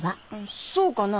そうかな？